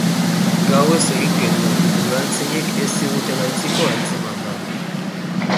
Gauez egin genuen, udaltzainek ez zigutela utziko antzemanda.